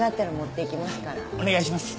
お願いします。